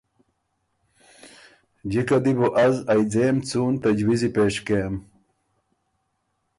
جِکه دی بو از ائ ځېم څُون تجویزی پېش کېم۔